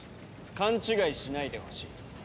勘違いしないでほしい。